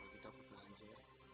biasanya juga begitu